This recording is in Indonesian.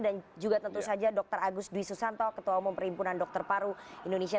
dan juga tentu saja dr agus dwi susanto ketua umum perhimpunan dokter paru indonesia